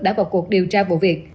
đã vào cuộc điều tra vụ việc